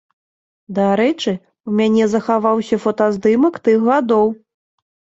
Дарэчы, у мяне захаваўся фотаздымак тых гадоў.